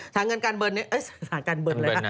สถานการณ์การเบิร์นสถานการเบิร์นเลยค่ะ